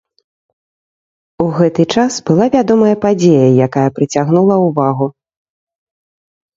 У гэты час была вядомая падзея, якая прыцягнула ўвагу.